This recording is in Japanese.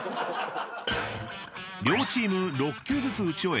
［両チーム６球ずつ打ち終え